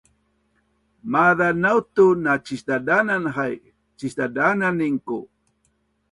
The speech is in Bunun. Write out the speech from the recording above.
maaz a nautu na cisdadanan hai, cinisdadananin ku